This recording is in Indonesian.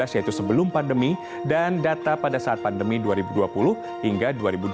yaitu sebelum pandemi dan data pada saat pandemi dua ribu dua puluh hingga dua ribu dua puluh